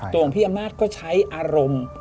ของพี่อำนาจก็ใช้อารมณ์